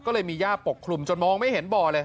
ก็เลยมีย่าปกคลุมจนมองไม่เห็นบ่อเลย